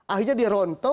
akhirnya dia rontok